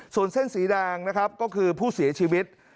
ส่วนเส้นสีแดงนะครับก็คือผู้เสียชีวิต